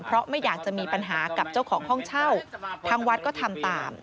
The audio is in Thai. เพราะไม่อยากจะมีปัญหากับเจ้าของห้องเช่าทางวัดก็ทำตาม